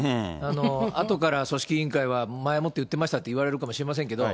あとから組織委員会は、前もって言ってましたっていわれるかもしれませんけれども。